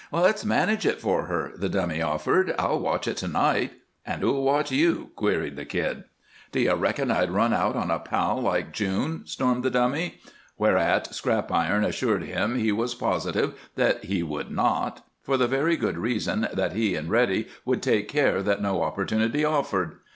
"Let's manage it for her," the Dummy offered. "I'll watch it to night." "An' who'll watch you?" queried the Kid. "D'you reckon I'd run out on a pal like June?" stormed the Dummy, whereat Scrap Iron assured him he was positive that he would not, for the very good reason that he and Reddy would take care that no opportunity offered.